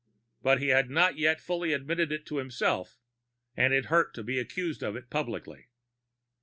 But he had not yet fully admitted it to himself, and it hurt to be accused of it publicly.